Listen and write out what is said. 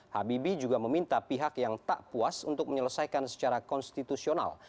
habibie juga meminta pihak yang tak puas untuk menyelesaikan secara konstitusional